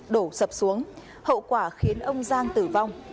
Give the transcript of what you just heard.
đổ sập xuống hậu quả khiến ông giang tử vong